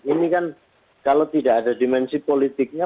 ini kan kalau tidak ada dimensi politiknya